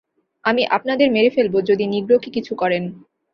আমি আপনাদের মেরে ফেলব যদি নিগ্রোকে কিছু করেন।